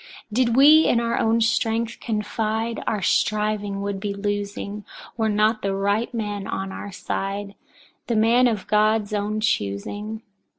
2. Did we in our own strength confide, our striving would be losing, were not the right man on our side, the man of God's own choosing.